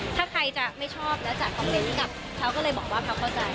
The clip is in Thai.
ถ้าใครจะไม่ชอบแล้วจัดคอมเมนต์กับเขาก็เลยบอกว่าเขาเข้าใจ